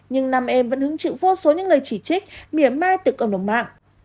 nhưng nam em vẫn hứng chịu vô số những lời chỉ trích mỉa mai từ cộng đồng mạng